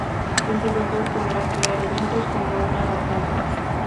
El jugador podrá crear eventos como una batalla.